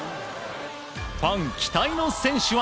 ファン期待の選手は。